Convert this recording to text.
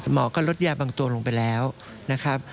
หมอก็ลดยาบางตัวลงไปแล้วนะครับ